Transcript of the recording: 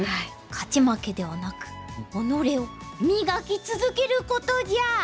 勝ち負けではなく己を磨き続けることじゃ！